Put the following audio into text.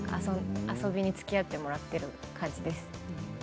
遊びにつきあってもらっている感じです。